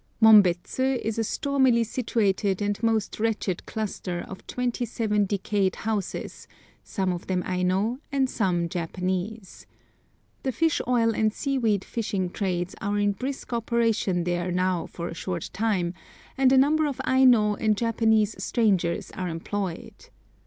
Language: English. Mombets is a stormily situated and most wretched cluster of twenty seven decayed houses, some of them Aino, and some Japanese. The fish oil and seaweed fishing trades are in brisk operation there now for a short time, and a number of Aino and Japanese strangers are employed.